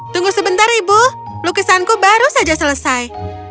tunggu sebentar ibu lukisanku baru saja selesai